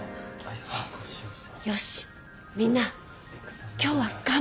よしみんな今日は頑張ろう！